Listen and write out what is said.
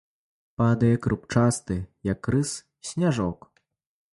Падае крупчасты, як рыс, сняжок.